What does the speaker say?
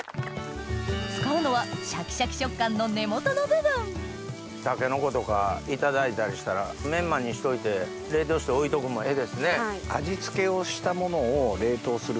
使うのはシャキシャキ食感の根元の部分タケノコとか頂いたりしたらメンマにしといて冷凍して置いとくんもええですね。